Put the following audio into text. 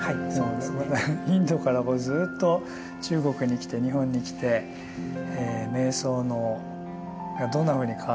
インドからこうずっと中国に来て日本に来て瞑想がどんなふうに変わってきたか。